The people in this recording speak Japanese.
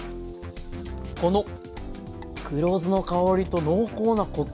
この黒酢の香りと濃厚なコク！